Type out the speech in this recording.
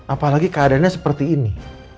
apalagi keadaannya seperti ini